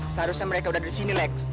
seharusnya mereka udah disini reks